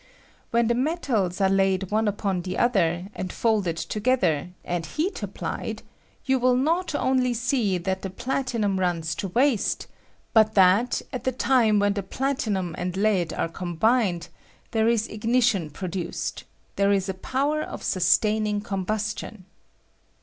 When the metals are laid one upon the other, and folded together, and heat applied, you will not only see that the platinum runs to waste, but that, at the time when the platinum and lead are combined, there is ignition produced, there is a power of sustianing combustion.